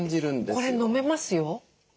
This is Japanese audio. これ飲めますよ。